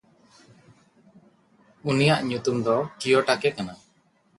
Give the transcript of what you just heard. ᱩᱱᱤᱭᱟᱜ ᱧᱩᱛᱩᱢ ᱫᱚ ᱠᱤᱭᱚᱴᱟᱠᱮ ᱠᱟᱱᱟ᱾